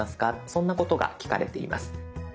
そんなことが聞かれています。